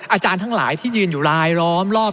อาจารย์ทั้งหลายที่ยืนอยู่ลายล้อมรอบ